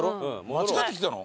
間違って来てたの？